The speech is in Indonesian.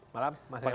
malam mas fadli